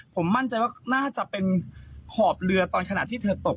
ผมมั่นใจว่าน่าจะเป็นขอบเรือตอนขณะที่เธอตก